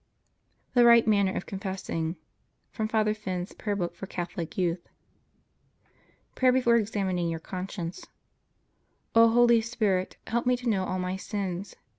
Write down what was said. THE RIGHT MANNER OF CONFESSING [From Father Finn's Prayer Book for Catholic Youth.] PRAYER BEFORE EXAMINING YOUR CONSCIENCE O Holy Spirit, help me to know all my sins.